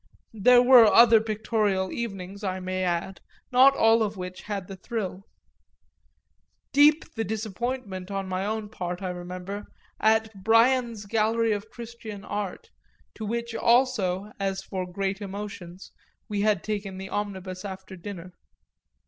There were other pictorial evenings, I may add, not all of which had the thrill. Deep the disappointment, on my own part, I remember, at Bryan's Gallery of Christian Art, to which also, as for great emotions, we had taken the omnibus after dinner.